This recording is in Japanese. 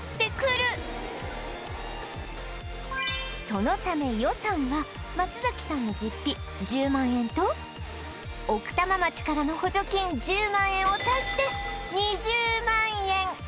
そのため予算は松さんの実費１０万円と奥多摩町からの補助金１０万円を足して２０万円